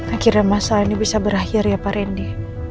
akhirnya masa ini bisa berakhir ya pak rendy